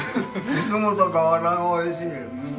いつもと変わらん美味しい。